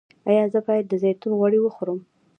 ایا زه باید د زیتون غوړي وخورم؟